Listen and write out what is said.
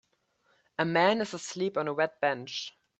A man is asleep on a red bench